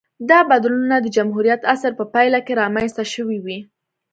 دا بدلونونه د جمهوریت عصر په پایله کې رامنځته شوې وې